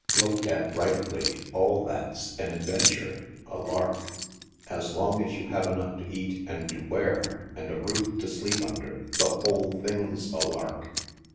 Looked at rightly, all that's an adventure, a lark. As long as you have enough to eat and to wear and a roof to sleep under, the whole thing's a lark.